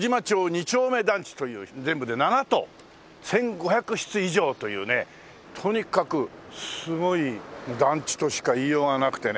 二丁目団地という全部で７棟１５００室以上というねとにかくすごい団地としか言いようがなくてね。